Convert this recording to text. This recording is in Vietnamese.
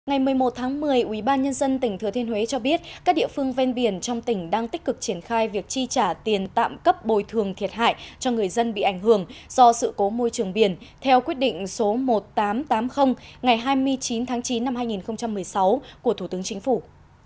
ngày một mươi một tháng một mươi ubnd tỉnh thừa thiên huế cho biết các địa phương ven biển trong tỉnh đang tích cực triển khai việc chi trả tiền tạm cấp bồi thường thiệt hại cho người dân bị ảnh hưởng do sự cố môi trường biển theo quyết định số một nghìn tám trăm tám mươi ngày hai mươi chín tháng chín năm hai nghìn một mươi sáu của thủ tướng chính phủ